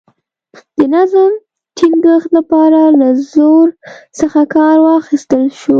د نظم ټینګښت لپاره له زور څخه کار واخیستل شو.